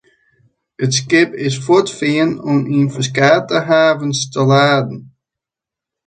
It skip is fuortfearn om yn ferskate havens te laden.